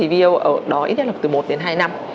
veo ở đó ít nhất từ một đến hai năm